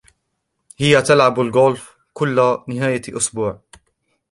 هي تلعب الغولف كل نهاية أسبوع.